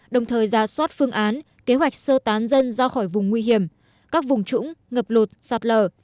đồng thời ra soát phương án kế hoạch sơ tán dân ra khỏi vùng nguy hiểm các vùng trũng ngập lụt sạt lở